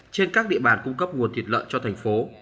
trên các địa bàn cung cấp nguồn thiệt lợn cho thành phố